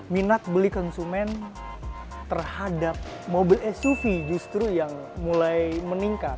minat beli konsumen terhadap mobil suv justru yang mulai meningkat